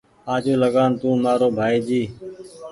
آجوٚنٚ لگآن تونٚ مآرو ڀآئي جي